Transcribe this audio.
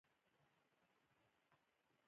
د خدمتګارانو قدر کول پکار دي.